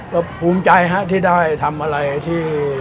ก็ภูมิใจฮะที่ได้ทำอะไรที่